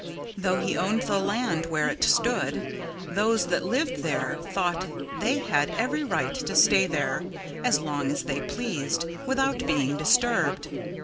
Though he owned the land where it stood, those that lived there thought they had every right to stay there as long as they pleased, without being disturbed.